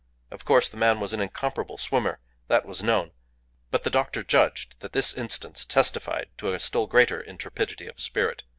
Of course, the man was an incomparable swimmer, that was known, but the doctor judged that this instance testified to a still greater intrepidity of spirit.